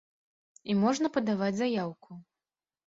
І можна падаваць заяўку.